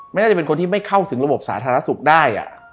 น่าจะเป็นคนที่ไม่เข้าถึงระบบสาธารณสุขได้